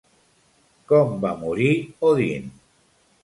Com va morir Odin?